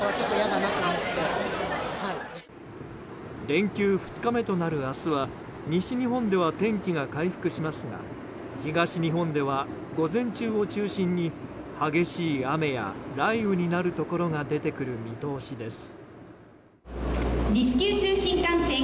連休２日目となる明日は西日本では天気が回復しますが東日本では午前中を中心に激しい雨や雷雨になるところが出てくる見通しです。